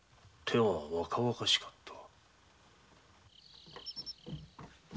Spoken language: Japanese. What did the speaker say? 手が若々しかった。